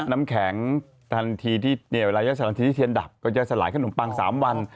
น้ำแข็งทันทีที่เทียนดับก็จะสลายขนมปัง๓วัน